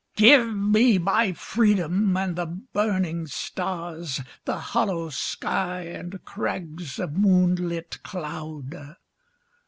. Give me my freedom and the burning stars, The hollow sky, and crags of moonlit cloud